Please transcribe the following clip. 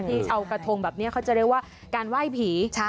ที่เอากระทงแบบนี้เขาจะเรียกว่าการไหว้ผี